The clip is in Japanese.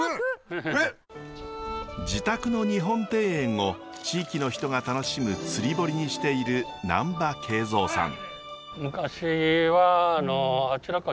自宅の日本庭園を地域の人が楽しむ釣り堀にしている難波啓三さん。